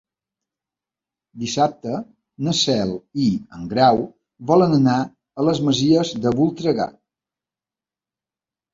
Dissabte na Cel i en Grau volen anar a les Masies de Voltregà.